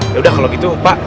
yaudah kalau gitu pak